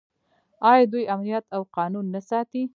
آیا دوی امنیت او قانون نه ساتي؟